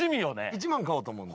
１万買おうと思うんで。